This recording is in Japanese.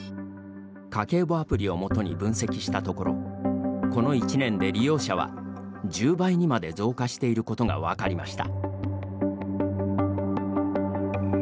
家計簿アプリを基に分析したところこの１年で利用者は１０倍にまで増加していることが分かりました。